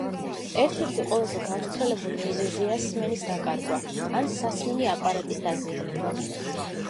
ერთ-ერთი ყველაზე გავრცელებული მიზეზია სმენის დაკარგვა ან სასმენი აპარატის დაზიანება.